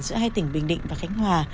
giữa hai tỉnh bình định và khánh hòa